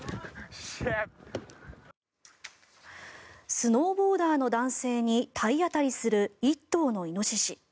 スノーボーダーの男性に体当たりする１頭のイノシシ。